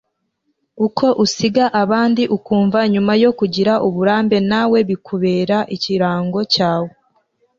uko usiga abandi ukumva nyuma yo kugira uburambe nawe bikubera ikirango cyawe